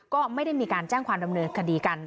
ก็ไม่ได้มีการแจ้งความดำเนินคดีกัน